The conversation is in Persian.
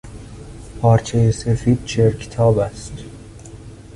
پارچهی سفید چرکتاب است.